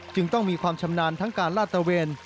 จึงต้องมีความชำนาญทั้งการลาดตะเวน